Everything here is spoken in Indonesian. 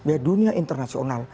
ya dunia internasional